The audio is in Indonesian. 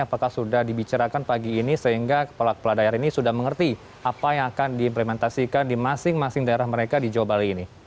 apakah sudah dibicarakan pagi ini sehingga kepala kepala daerah ini sudah mengerti apa yang akan diimplementasikan di masing masing daerah mereka di jawa bali ini